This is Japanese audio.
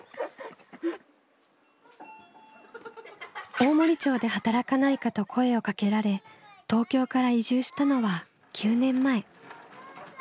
大森町で働かないかと声をかけられ東京から移住したのは９年前。